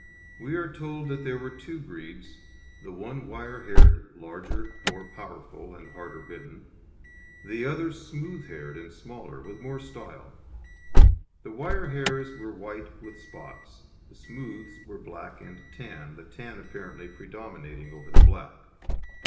We are told that there were two breeds: the one wire haired, larger, more powerful, and harder bitten; the other smooth haired and smaller, with more style. The wire hairs were white with spots, the smooths were black and tan, the tan apparently predominating over the black.